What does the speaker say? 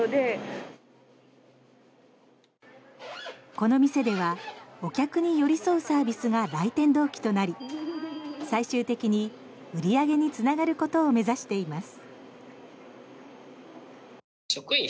この店ではお客に寄り添うサービスが来店動機となり最終的に売り上げにつながることを目指しています。